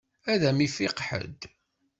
Ad m-ifiq ḥedd.